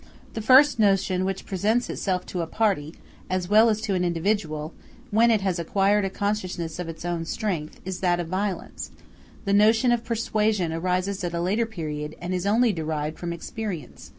The first notion which presents itself to a party, as well as to an individual, when it has acquired a consciousness of its own strength, is that of violence: the notion of persuasion arises at a later period and is only derived from experience.